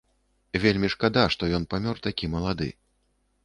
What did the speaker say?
Вельмі шкада, што ён памёр такі малады.